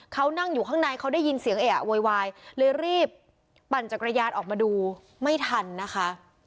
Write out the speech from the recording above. เขานั่งอยู่ข้างในเขาได้ยินเสียงเออะโวยวายเลยรีบปั่นจักรยานออกมาดูไม่ทันนะคะ